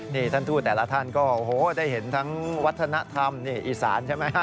นี่ท่านทูตแต่ละท่านก็โอ้โหได้เห็นทั้งวัฒนธรรมนี่อีสานใช่ไหมฮะ